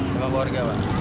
sama warga pak